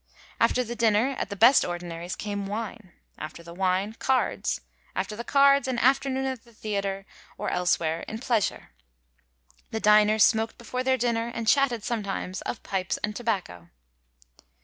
After the dinner at the best ordinaries came wine ; after the wine, cards ; after the cards an afternoon at the theatre, or elsewhere, in pleasure. The diners smoked before their dinner and chatted sometimes of pipes and tobacco.